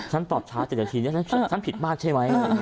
ฉันตอบช้า๗ชีวิตนี้ฉันผิดบ้างใช่ไหม